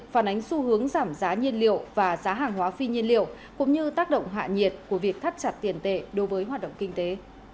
phản ánh xu hướng giảm giá nhiên liệu và giá hàng hóa phi nhiên liệu cũng như tác động hạ nhiệt của việc thắt chặt tiền tệ đối với hoạt động kinh tế